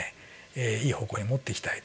いい方向へ持っていきたいと。